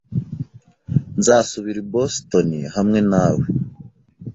Nzasubira i Boston hamwe nawe .